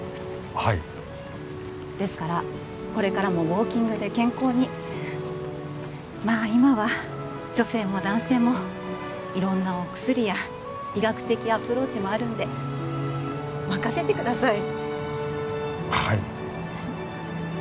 はいですからこれからもウォーキングで健康にまあ今は女性も男性も色んなお薬や医学的アプローチもあるんで任せてください